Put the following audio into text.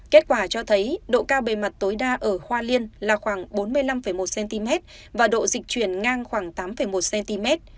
kết quả cho thấy độ cao bề mặt tối đa ở hoa liên là khoảng bốn mươi năm một cm và độ dịch chuyển ngang khoảng tám một cm